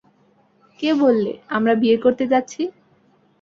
কে বললে আমরা বিয়ে করতে যাচ্ছি?